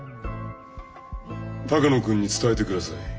鷹野君に伝えてください。